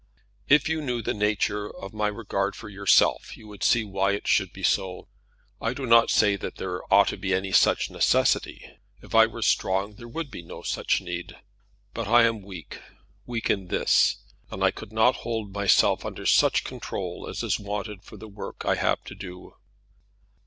"If you knew the nature of my regard for yourself, you would see why it should be so. I do not say that there ought to be any such necessity. If I were strong there would be no such need. But I am weak, weak in this; and I could not hold myself under such control as is wanted for the work I have to do."